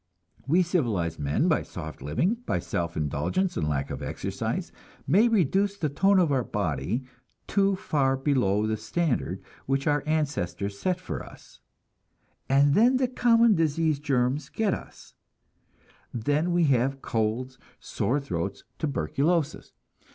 We civilized men, by soft living, by self indulgence and lack of exercise, may reduce the tone of our body too far below the standard which our ancestors set for us; and then the common disease germs get us, then we have colds, sore throats, tuberculosis.